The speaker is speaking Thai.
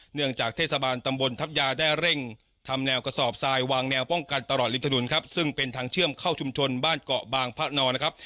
เนื่องจากเทศบาลตำบลทัพยาได้เร่งทำแนวกระสอบทรายวางแนวป้องกันตลอดริมถนนครับซึ่งเป็นทางเชื่อมเข้าชุมชนบ้านเกาะบางพระนอนนะครับ